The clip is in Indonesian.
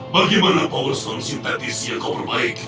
bagaimana power stone sintetis yang kau perbaiki